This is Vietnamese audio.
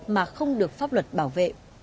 mà không được pháp luật bảo vệ